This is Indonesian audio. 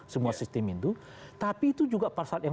semua sistem itu tapi itu juga pasal yang